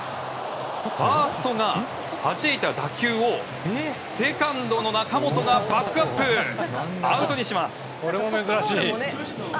ファーストがはじいた打球をセカンドの中本がバックアップでアウトにします。